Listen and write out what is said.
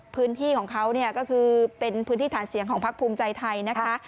พื้นที่ของเขาเนี่ยก็คือเป็นพื้นที่ฐานเสียงของพักภูมิใจไทยนะคะ